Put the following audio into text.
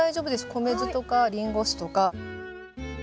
米酢とかリンゴ酢とか。